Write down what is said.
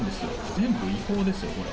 全部違法ですよ、これ。